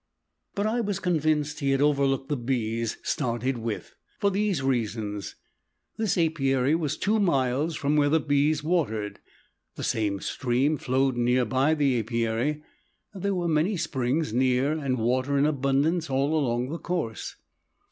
But I was convinced he had overlooked the bees started with, for these reasons: This apiary was two miles from where the bees watered; the same stream flowed near by the apiary there were many springs near and water in abundance all along the course.